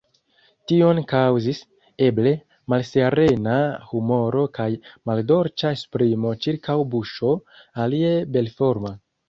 Tion kaŭzis, eble, malserena humoro kaj maldolĉa esprimo ĉirkaŭ buŝo, alie belforma.